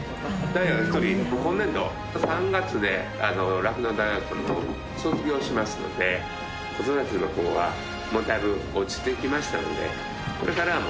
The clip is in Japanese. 片や１人今年度３月で酪農大学の方卒業しますので子育ての方はもうだいぶ落ち着きましたので。